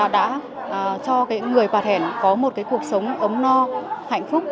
đã cho người bà thẻn có một cuộc sống ấm no hạnh phúc